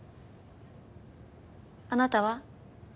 あなたは？